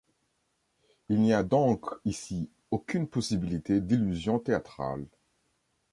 Il n'y a donc ici aucune possibilité d'illusion théâtrale.